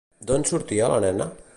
D'on sortia la nena?